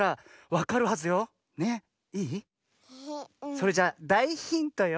それじゃあだいヒントよ。